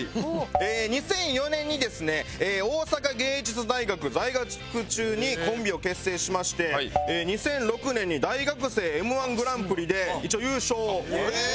２００４年にですね大阪芸術大学在学中にコンビを結成しまして２００６年に大学生Ｍ−１グランプリで一応優勝を。